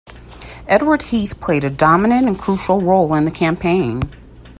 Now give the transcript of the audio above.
Edward Heath played a dominant and crucial role in the campaign.